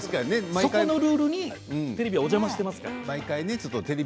そこのルールにテレビがお邪魔してますから。